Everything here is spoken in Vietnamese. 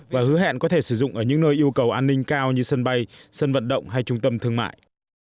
và hứa hẹn có thể sử dụng ở những nơi yêu cầu an ninh cao như sân bay sân vận động hay trung tâm thương mại